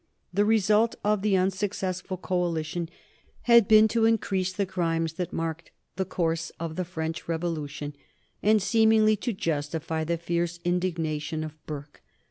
The result of the unsuccessful coalition had been to increase the crimes that marked the course of the French Revolution, and seemingly to justify the fierce indignation of Burke.